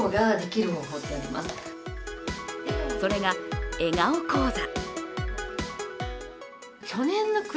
それが、笑顔講座。